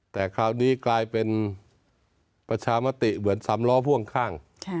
แต่คราวนี้กลายเป็นประชามติเหมือนสำล้อพ่วงข้าง